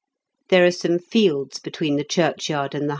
There are some fields between the churchyard and the CEALK LANE.